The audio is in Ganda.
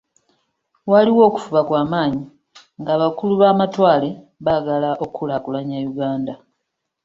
Waaliwo okufuba kwa maanyi nga abakulu b’amatwale baagala okukulaakulanya Uganda.